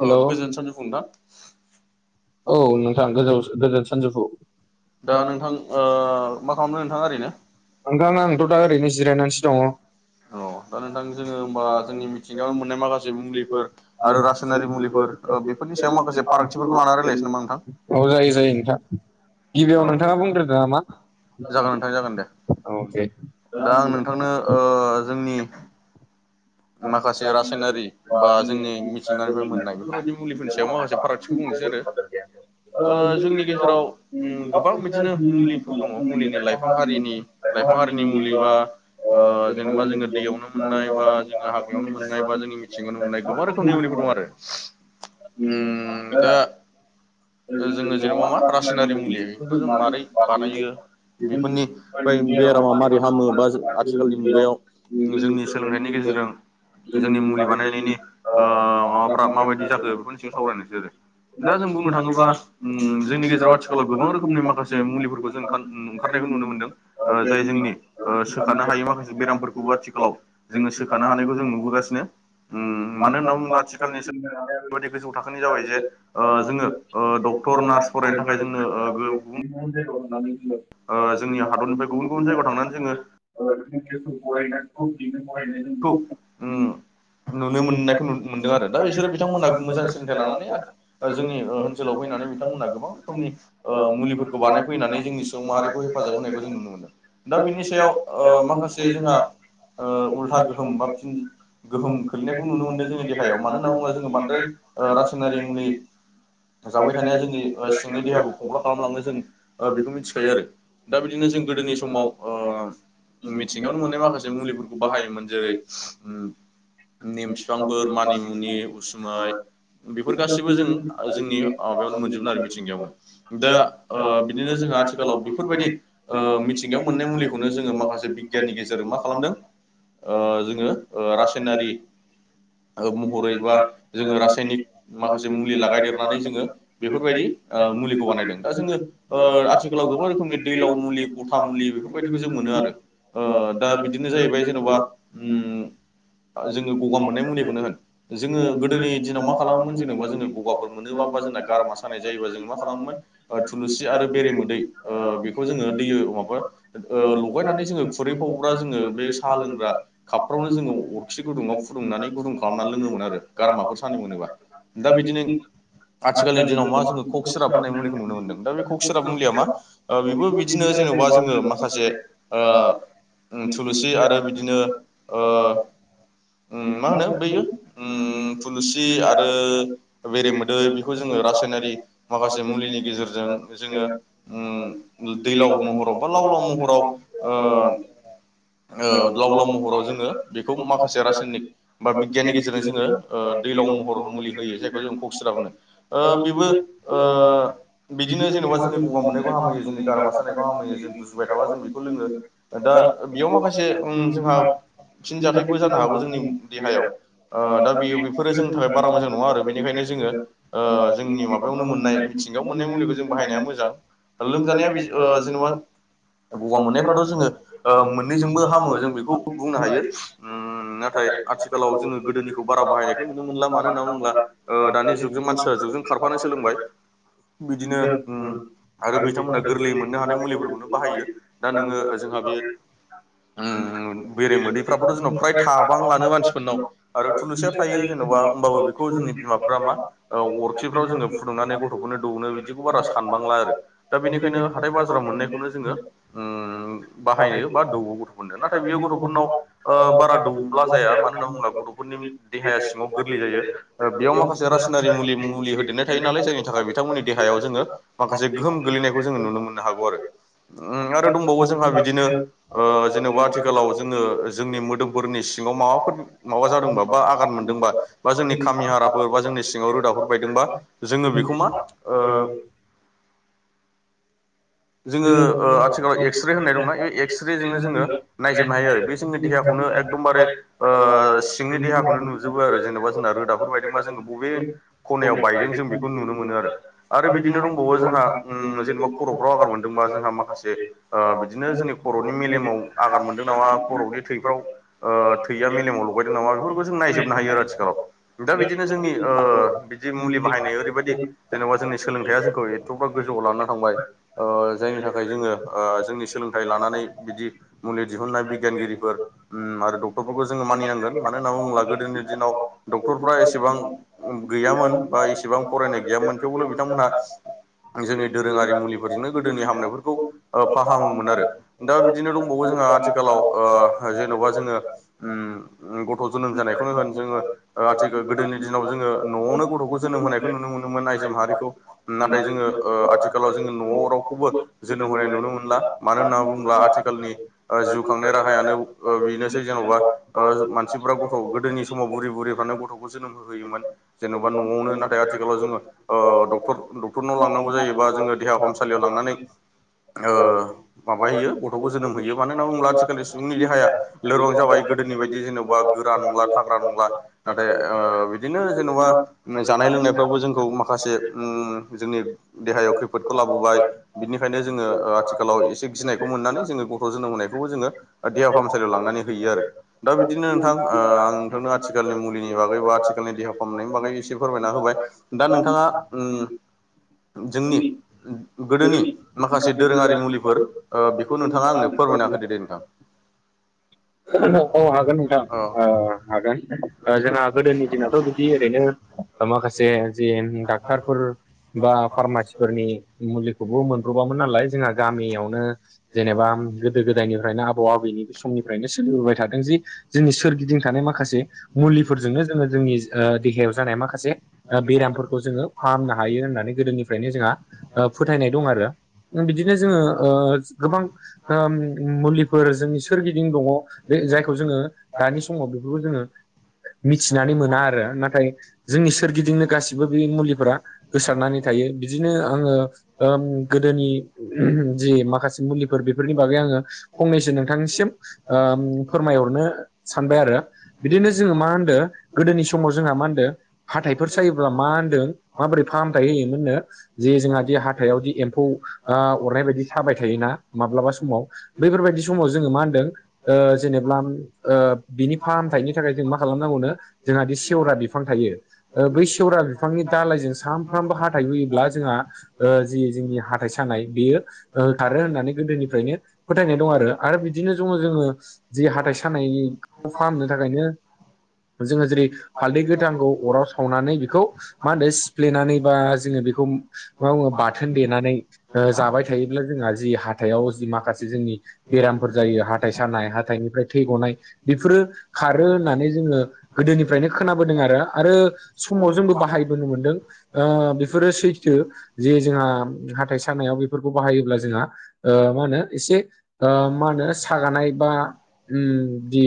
औ गोजोन सानजुफु नोंथां औ नोंथां गोजौ गोजोन सानजौफु दा नोंथां ओ माखालामदों नोंथाङा ओरैनो? नोंथां आंथ' दा ओरैनो जिरायनानैसो दङ, अ दा नोंथां जोङो होमबा जोंनि मिथिंगायाव मोननाय माखासे मुलिफोर आरो रासायनारि मुलिफोर बेफोरनि सायाव माखासे फारागथिफोरखौ लानानै रायलाय औ जायो जायो नोंथां गिबियाव औ नोंथाङा बुंग्रोदो नामा जागोन नोंथां जागोन दे अके दा आं नोंथांनो ओ जोंनि माखासे रासायनारि बा जोंनि मिथिंगानिफ्राय मोननाय बेफोरबायदि [unintelligible] मुलिफोरनि सायाव माखासे फारागथिखौ बुंनोसै आरो ओ जोंनि गेजेराव [unintelligible] उम गोबां बिदिनो मुलिफोर दङ मुलिनि लाइफां हारिनि [unintelligible] लाइफां हारिनि मुलि बा ओ जेनेबा जोङो दैयावनो मोननाय बा [unintelligible] जोङो हाग्रायावनो मोननाय बा जोंनि मिथिंगायावनो मोननाय गोबां रोखोमनि मुलिफोर दं [unintelligible] आरो [unintelligible] ओ जोङो जेनेबा मा रासायनारि मुलि बेफोरखौ जों माबोरै बानायो? बेफोरनि बै बेरामा मारै हामो बा आथिखालनि मुगायाव जोंनि सोलोंथाइनि गेजेरजों जोंनि मुलि बानायनायनि ओ माबाफ्रा माबायदि जाखो बेफोरनि बागै सावरायनोसै आरो दा जों बुंनो थाङोब्ला उम जोंनि गेजेराव आथिखालाव गोबां रोखोमनि माखासे मुलिफोरखौ जों ओं ओंखारनाय नुनो मोनदों। जाय जोंनि ओ सोखानो हायै माखासे बेरामफोरखौबो आथिखालाव जोङो सो जों नुबोगासिनो उम मानो होनना बुङोब्ला आथिखालनि गोजौ थाखोनि जाबाय जे जोङो ड डक्टर नार्स फरायनो थाखाय जोंनो गुब- ओ जोंनि हादरनिफ्राय गुबुन गुबुन जायगायाव थांनानै जोङो [inaudible] खुुबुखौ ओ नुनो मोननायखौ मोनदों आरो। दा बिसोरो बिथांमोनहा मोजां सोलोंथाइ लानानै आरो जोंनि ओनसोलाव फै- नानै बिथांमोना गोबां रोखोमनि मुलिफोरखौ बानायफैनानै जोंनि सुबुं माहारिखौ हेफाजाब होनायखौ जों नुनो मोनदों। दा बिनि सायाव ओ माखासे जोंहा ओ उल्था गोहोम बा फिन गोहोम खोलैनायखौ नुनो मोन्दों जोंनि देहायाव मानो होनना बुङोब्ला जोङो बांद्राय रासायनारि मुलि जाबाय थानाया जोंनि ओ सिंनि देहाखौ खंख्ला खालामलाङो जों बेखौ मिथिखायो आरो ।दा बिदिनो जों गोदोनि समाव मिथिंगायावनो मोननाय माखासे मुलिफोरखौ बाहायोमोन जेरै, नेम, बिफांफोर मानिमुनि, उसुमाय, बेफोर गासिबो जों जोंनि माबायावनो मोनजोबो आरो मिथिंगायावनो दा ओ बिदिनो जों दा आथिखालाव बेफोरबायदि ओ मिथिंगायाव मोननाय मुलिखौनो जोङो माखासे बिगियाननि गेजेरजों मा खालामदों ओ जोङो ओ रासायनारि महरै बा जोङो रासायनिक माखासे मुलि लागायदेरनानै जोङो बेफोरबायदि ओ मुलिखौ बानायदों दा जोङो ओ आथिखालाव गोबां रोखोमनि दैलाव मुलि गथा मुलि बेफोरबायदिखौ जों मोनो आरो ओ दा बिदिनो जाहैबाय जेनेबा उम जोङो ग गा मोननाय मुलिखौनो जोङो गोदोनि दिनाव मा खालामोमोन जेनेबा जोङो गगाफोर मोनोबा जों गारा सानाय जायोबा जों मा खालामोमोन ओ थुलुसि, आरो बेरे मोदै, ओ बेखौ जों दैयाव माबा ओ ओ लगायनानै जोङो खुरैफावब्रा जोङो बे साहा लोंग्रा कापफ्रावनो जोङो अरखि गुदुंङाव फुदुं फुदुंनानै गुदुं खालामनानै लोङोमोन आरो गारमाखौ सानाय मोनोबा दा बिदिनो आथिखालनि दिनाव मा जोङो कक सिराब होननाय मुलिखौ नुनो मोनदों। दा बे कक सिराब मुलिया मा बेबो बिदिनो जेनबा जोङो माखासे ओ थुलुसि, आरो बिदिनो ओ, उम मा होनो बैयो उम थुलुसि आरो बेरेमोदै बेखौ जोङो र- रासायनारि माखासे मुलिनि गेजेरजों जोङो उम दैलाव महराव बा लाव ला लाव महराव ओ लाव लाव महराव जोङो बेखौ माखासे रासायनिक बा बिगियाननि गेजेरजों ओ जोङो दैलाव महर मुलि होयो जायखौ जों क'क सिराप होनो ओ। ओ बेबो ओ बिदिनो जेनेबा जोंनि गगा मोननायखौ हामहोयो जोंनि गारामा सारानायखौ हामहोयो जों गुजुबाय थाबा जों बेखौ लोङो दा बेयाव माखासे उम जोंहा फिन जाथायबो जानो हागौ जोंनि देहायाव ओ दा बेयो बेफोरो जोंनि थाखाय बारा मोजां नङा आरो। बेनिखायनो जोङो ओ जोंनि माबायावनो मोननाय थिंगायाव मोननाय मुलिखौ जों बाहायनाया मोजां लोमजानाया बि ओ जेनबा गगा मोननायफ्राथ' जोंङो ओ मोननैजोंबो हामो जों बेखौ बुंनो हायो। उम नाथाय आथिखालाव जोंङो गोदोनिखौ बारा बाहायनायखौ नुनो मोनला मानो होनना बुंब्ला ओ दानि जुगजों मान सो जुगजों खारफानो सोलोंबाय बिदिनो उम आरो बिथांमोना गोरलैयै मोननो हानाय मुलिफोरखौनो बाहायो दा नोंङो जों जोंहा बे उम बेरे मोदैफ्राबोथ' जोंनाव फ्राय थाबांलानो मानसिफोरनाव आरो थुलुंसिया थायो जेनबा होमबाबो बेखौ जोंनि बिमाफ्रा मा औ अरखिफ्राव जोंङो फुदुंनानै गथ'फोरनो दौनो बिदिखौ बारा सानबांला आरो दा बेनिखायनो हाथाय बाजाराव मोननाय बेखौनो जोंङो उम बाहायो बा दौवो गथ'फोरनो नाथाय बेयो गथ'फोर [inaudible] दौब्ला जाया मानो होननानै बुंब्ला गथ'फोरनि देहाया सिंङाव गोरलै जायो बेयाव माखासे रासायनारि मुलि मुलि होदेरनाय थायो नालाय जायनि थाखाय बिथांमोननि देहायाव जोंङो माखासे गोहोम गोलैनायखौ जोंङो नुनो मोननो हागौ आरो उम आरो दंबावो जोंहा बिदिनो ओ जेनेबा आथिखालाव जोंङो जोंनि फोरनि सिंङाव माबाफोर माबा जादोंबा बा आघात मोनदोंबा बा जोंनि खामि हाराफोर बा जोंनि सिंङाव रोदा रोदाफोर बायदोंब्ला जोऔङो बेखौ मा ओ जोंङो ओ आथिखालाव एक्स रे होननाय दंना बे एक्स रे जोंनो जोंङो नायजोबनो हायो आरो बे जोंनि देहाखौ नो एकदमबारे ओ सिंनि देहाखौनो नुजोबो आरो जेनेबा जोंना रोदाफोर बायदोंबा जोंङो बबे खनायाव बायदों जों बेखौ नुनो मोनो आरो बिदिनो दंबावो जोंहा ओम जेनेबा खर'फ्राव बा जोंहा माखासे ओ बिदिनो जोंनि खर'नि मेलेमाव आघात मोनदों नामा खर'नि थैफ्राव ओ थैया मेलेमाव लगायदों नामा बेफोरखौ जों नायजोबनो हायो आरो आथिखालाव दा बिदिनो जोंनि ओ बिदि मुलि बाहायनाय ओरैबायदि जेनेबा जोंनि सोलोंथाइा जोंखौ एथ'बा गो गोजौआव लाना थांबाय ओ ओ जायनि थाखाय जोंङो ओ जोंनि सोलोंथाइ लानानै बिदि मुलि दिहुननाय बिगियानगिरिफोर उम आरो डक्टरफोरखौ जोंङो मानिनांगोन मानो होनना बुंङोब्ला गोदोनि दिनाव डक्टरफ्रा एसेबां गैयामोन बा इसेबां फरायनाय गैयामोन थेवबो बिथांमोनहा जोंनि दोरोंङारि मुलि फोरजोंनो गोदोनि हामनायफोरखौ ओ फाहामोमोन आरो दा बिदिनो दंबावो जोंहा आथिखालाव ओ जेन'बा जोंङो उम गथ' जोनोम जानायखौनो होन जोंङो आथिखाल गोदोनि दिनाव जों ङो न'आवनो गथ'खौ जोनोम होनायखौ नुनो मोन आइजो माहारिखौ। नाथाय जोंङो ओ आथिखालाव जों रावखौबो जोनोम होनाय नुनो मोनला मानो होनना बुंङोब्ला आथिखालनि जिउ खांनाय राहायानो बेनोसै जेन'बा मानसिफ्रा गथ' गोदोनि समाव बुरि बुरिफ्रानो गथ'खौ जोनोम होयोमोन। जेनेबा न'आवनो नाथाय आथिखालाव जोंङो अ डक्टर डक्टरनाव लांनांगौ जायोबा जोंङो लियाव लांनानै ओ माबाहोयो गथ'खौ जोनोम होयो मानो होनना बुंङोब्ला आथिखाालनि सुबुंनि देहाया लोरबां जाबाय गोदोनि बायदि जेनेबा गोरा नंला थाग्रा नंला नाथाय ओ बिदिनो जेनेबा जानाय लोंनायफ्रावबो जोंखौ माखासे उम जोंनि देहायाव खैफोद बिनिखायनो जोंङो आथिखालाव एसे गिनायखौ मोननानै जोंङो गथ' जोनोम होनायखौबो जोंङो फाहामसालियाव लांनानै हैयो आरो दा बिदिनो नोंथां आं नोंथांनो आथिखालनि मुलिनि बागै बा आथिखालनि दे देहा फाहामनायनि बागै एसे फोरमायना होबाय दा नोंथांङा ओ जोंनि गोदोनि माखासे दोरोंङारि मुलिफोर ओ बेखौ नोंथांङा आंनो फोरमायना होदो दे नोंथां [inaudible] औ हागोन नोंथां औ ओ हागोन जोंहा गोदोनि दिनावथ' बिदि ओरैनो माखासे जे डाक्टारफोर बा फार्मासिफोरनि मुलिखौबो मोनब्र'बामोन नालाय जोंहा गामियावनो जेनेबा गोदो गोदायनिफ्रायनो आबौ आबौनि बे समनि फ्रायनो सोलिबोबाय थादों जि जोंनि सोरगिदिं थानाय माखासे मुलिफोरजोंनो जोंङो जोंनि देहा याव जानाय माखासे ओ बेरामफोरखौ जोंङो फाहामनो हायो होननानै गोदोनिफ्रायनो जोंहा ओ फोथायनाय दं आरो ओं बिदिनो जोंङो ओ गोबां मुलिफोर जोंनि सोरगिदिं दिं दंङ बे जायखौ जोंङो दानि समाव बेफोरखौ जोंङो मिथिनानै मोना आरो नाथाय जोंनि सोरगिदिंनो गासिबो बे मुलिफोरा गोसारनानै थायो। बे बिदिनो आं ओ ओ गोदोनि जि माखासे मुलिफोर बेफोरनि बागै आङो फंनैसो नो नोंथांसिम ओ फोरमायहरनो सानबाय आरो बिदिनो जोङो मा होनदो गोदोनि समाव जोंहा मा होनदों हाथाइफोर सायोब्ला मा होनदों माबोरै फाहामथाय होयोमोननो जे जोंहा दि हाथायावदि एम्फौ ओ अरनाय बायदि थाबाय थायोना माब्लाबा समाव बैफोरबायदि बे समाव जोङो मा होनदों ओ जेनेबा ओ बिनि फाहामथायाइनि थाखाय जों मा खालामनांगौनो जोंहा बे सेवरा बिफां बिफां थायो ओ बै सेवरा बिफांनि दालाइजों सामफ्रामबो हाथाय हुयोब्ला जोंहा ओ जि जोंनि हाथाइ सानाय बेयो ओ खारो होननानै गोदोनिफ्रायनो फोथायनाय दं आरो आरो बिदिनो दङ जोङो जि हाथाइ सानायनि फाहामनो थाखायनो जोङो जेरै हालदै गोथांखौ अराव सावनानै बेखौ मा होनो सिफ्लेनानै बा जोङो बेखौ बाउआव बाथोन देनानै ओ जाबाय थायोब्ला जोंहा जि हाथायाव जि माखासे जोंनि बेरामफोर जायो हाथाइ सानाय हाथाइनिफ्राय थै गनाय बेफोरो खारो होननानै जोङो गोदोनिफ्रायनो खोनाबोदों आरो आरो समाव जोंबो बाहायबोनो मोनदों ओ बेफोरो सैथो। जे जोंहा हाथाय सानायाव बेफोरखौ बाहायोब्ला जोंहा ओ मा होनो एसे ओ मा होनो सागानाय बा उम दि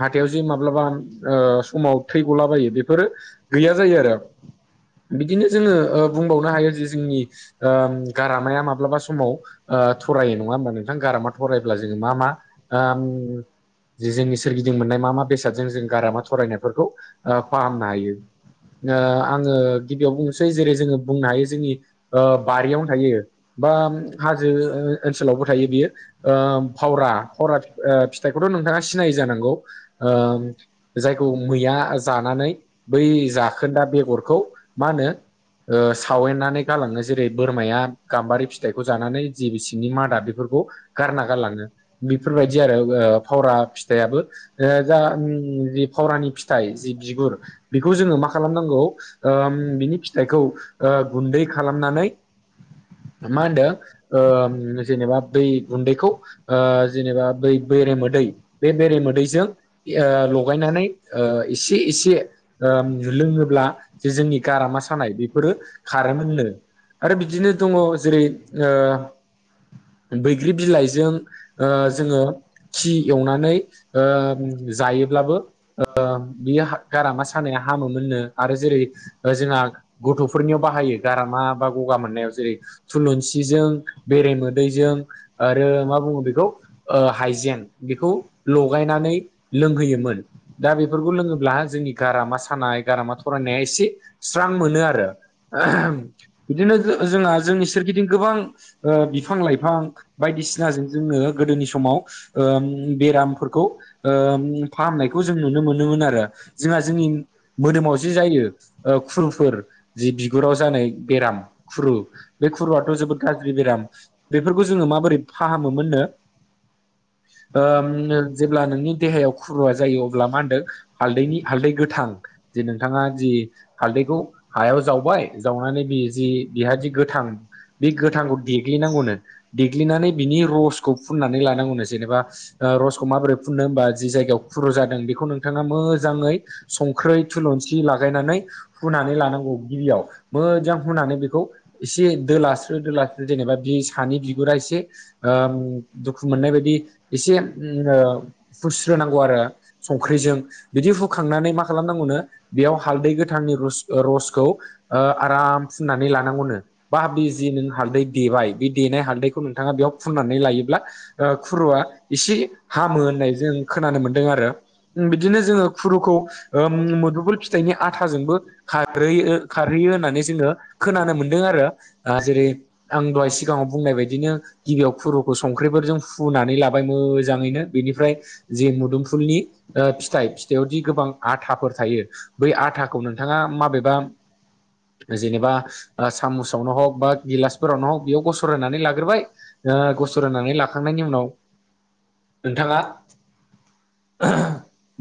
हाथायावजि माब्लाबा ओ सम आव थै गलाबायो बेफोरो गैया जायो आरो । बिदिनो जोङो ओ बुंबावनो हायो जि जोंनि आम गारामाया माब्लाबा समाव आ थरायो नङा होमबा नोंथां गारामा थरायायोब्ला जोङो मा मा ओम जि जोंनि सोरगिदिं मोननाय मा मा बेसादजों जों गारामा थरायनायफोरखौ ओ फाहामनो हायो। ओ आङो गिबियाव बुंनोसै जेरै जोङो बुंनो हायो जोंनि ओ बारियावनो थायो। बाम हाजो ओ-ओनसोलावबो थायो बियो। ओम फावरा फावरा फि-फिथाइखौथ' नोंथाङा सिनाय जानांगौ ओम जाय फौ मैया जानानै बै जाखोन्दा बेगरखौ मा होनो ओ सावेननानै गालाङो जेरै बोरमाया गाम्बारि फिथाइखौ जानानै जि बिसिंनि मादा बेफोर गारना गारलाङो बेफोरबायदि आरो फावरा फिथाइाबो ओ जा फावरानि फिथाइ जि बिगुर बेखौ जोङो मा खालामनांगौ ओम बिनि फिथाइखौ ओ ओ बिदि खालामनानै ओ मानदो ओम जेनेबा बै गुन्दैखौ ओ जेनेबा बै बेरे मोदै बे बेरे मोदैजों ओ लगायना‌ नानै ओ एसे एसे ओम लोङोब्ला जे जोंनि गारामा सानाय बेफोरो खारोमोननो आरो बिदिनो दङ जेरैै ओ बैग ग्रि बिलाइजों ओ जोङो खि एवनानै ओ जायोब्लाबो ओ बियो गारामा सानाया हामो मोननो आरो जेरै जोंहा गथ'फोर नियाव बाहायो गारामा बा गगा मोननायाव जेरै थुलुंसिजों बेरे मोदैजों आरो मा बुङो बेखौ ओ हाइजें बेखौ लगायनानै लोंहोयोमोन। दा बेफोरखौ लोङोब्ला जोंनि गारामा सानाय गारामा थरायनाया एसे स्रां मोनो आरो। बिदिनो जोंहा जोंनि सोरगिदिं गोबां ओ बिफां लाइफां बायदिसिनाजों जोङो गोदोनि समाव ओम बेरामफोरखौ ओम फाहामनायखौ खौ जों नुनो मोननो मोन आरो जोंहा जोंनि मोदोमाव जि जायो ओ खुरुफोर जि बिगुराव जानाय बेराम खुरु बे खुरुआथ' जोबोद गाज्रि बेराम बेफोरखौ जोङो बोरै फाहामोमोननो ओम जेब्ला नोंनि देहायाव खुरुवा जायो अब्ला मा होनदों हालदैनि हालदै गोथां जे नोंथाङा जि हालदैखौ हायाव जावबाय जावनानै बि जि बिहादि गोथ थां बे गोथांखौ देग्लिनांगौनो देग्लिनानै बिनि रसखौ फुननानै लानांगौनो। जेनेबा ओ रसखौ माबोरै फुननो होमबा जि जायगायाव खुरु जादों बेखौ नोंथाङा मोजाङै संख्रै थुलुनसि लागायनानै फुनानै लानांगौ गिबियाव मोजां हुनानै बेखौ एसे दोलास्रो दोलास्रो जेनेबा बि सानि बिगुरा एसे ओम दुखु मोननाय बायदि एसे उम ओ फुस्रोनांगौ आरो संख्रिजों बिदि हुखांनानै मा खालामनांगौ नों बेयाव हालदै गोथांनि रुस ओ रसखौ ओ आराम फुननानै लांगौनो। बा दि जि नों हालदै देबाय बे देनाय हालदैखौ नोंथाङा बेयाव फुननानै लायोब्ला ओ खु रुआ एसे हामो होननाय जों खोनानो मोनदों आरो उम बिदिनो जोङो खुरुखौ ओम मुदुफुल फिथाइनि आथाजोंबो खारैयो खारै यो होननानै जोङो खोनानो मोनदों आरो आ जेरै आं दहाय सिगाङाव बुंनाय बाय दिनो गिबियाव खुरुखौ संख्रिफोरजों फु नानै लाबाय मोजांयैनो बेनिफ्राय जेन मुदुमफुलनि ओ फिथाइ फिथाइआवदि गोबां आ आथाफोर थायो बै आथाखौ नोंथाङा माबेबा जेनेबा ओ सामुसावनो हग बा गिलासफोरावनो हग बेयाव गसर होनानै ला गोरबाय ओ गस होननानै लाखांनायनि उनाव नोंथाङा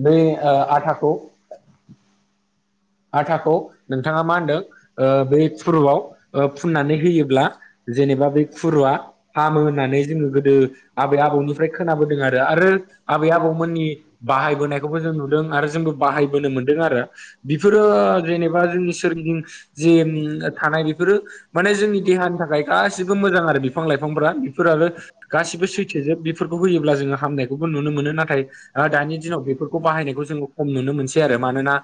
नै ओ आथाखौ आथाखौ नोंथाङा मा होनदों ओ बै खुरुआव फुननानै होयोब्ला जेनेबा बै खु रुया हामो होननानै जोङो गोदो आबै आबौनिफ्राय खोनाबोदों आरो। आरो आबै आबौमोन नि बाहाय बोनायखौबो जों नुदों आरो जोंबो बाहायबोनो मोनदों आरो। बेफोरो जेनेबा जोंनि सोरगिदिं जे थानाय बेफोरो माने जोंनि देहानि था खाय गासिबो मोजां आरो। आरो बिफां लाइफांफ्रा बेफोराबो गासिबो सैथोजोब बेफोरखौ होयोब्ला जोङो हामनायखौबो नुनो मोनो। नाथाय ओ दानि दिनाव बेफोरखौ बाहायनायखौ जों खम नुनो मोनसै आरो मानोना